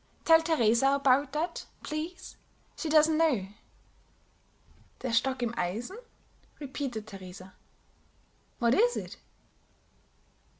"Tell Teresa about that, please; she doesn't know." "Der Stock im Eisen?" repeated Teresa. "What is it?"